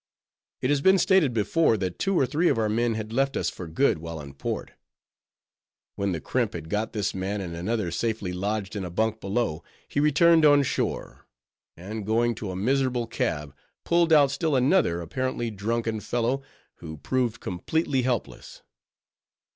It has been stated before, that two or three of our men had left us for good, while in port. When the crimp had got this man and another safely lodged in a bunk below, he returned on shore; and going to a miserable cab, pulled out still another apparently drunken fellow, who proved completely helpless.